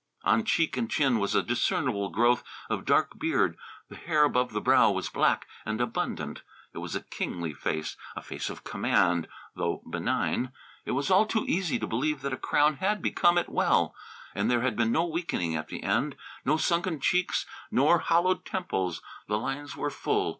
On cheek and chin was a discernible growth of dark beard; the hair above the brow was black and abundant. It was a kingly face, a face of command, though benign. It was all too easy to believe that a crown had become it well. And there had been no weakening at the end, no sunken cheeks nor hollowed temples. The lines were full.